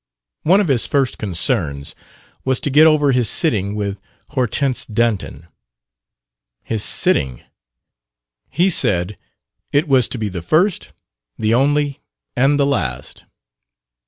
One of his first concerns was to get over his sitting with Hortense Dunton. His "sitting," he said: it was to be the first, the only and the last.